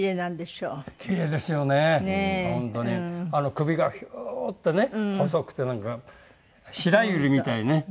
首がヒューッてね細くてなんか白百合みたいね。